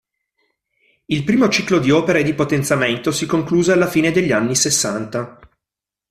Il primo ciclo di opere di potenziamento si concluse alla fine degli anni sessanta.